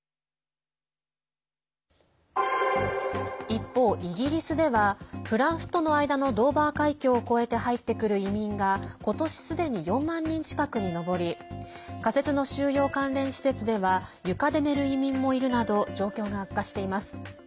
一方、イギリスではフランスとの間のドーバー海峡を越えて入ってくる移民が今年、すでに４万人近くに上り仮設の収容関連施設では床で寝る移民もいるなど状況が悪化しています。